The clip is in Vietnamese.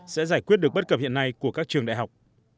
sẽ giải quyết được bất cập hiện nay của các trường đại học